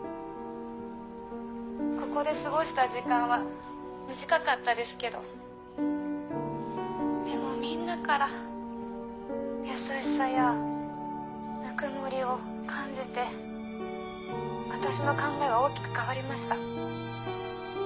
ここで過ごした時間は短かったですけどでもみんなから優しさやぬくもりを感じて私の考えは大きく変わりました。